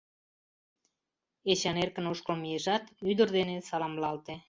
Эчан эркын ошкыл мийышат, ӱдыр дене саламлалте.